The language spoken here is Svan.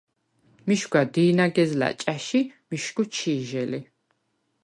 მიშგვა დი̄ნაგეზლა̈ ჭა̈ში მიშგუ ჩი̄ჟე ლი.